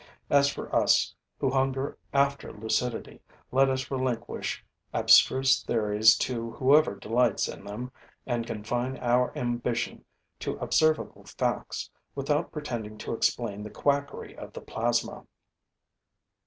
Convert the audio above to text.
As for us, who hunger after lucidity, let us relinquish abstruse theories to whoever delights in them and confine our ambition to observable facts, without pretending to explain the quackery of the plasma.